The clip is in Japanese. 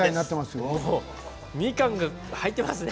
みかんが入ってますね。